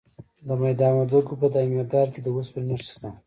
د میدان وردګو په دایمیرداد کې د وسپنې نښې شته.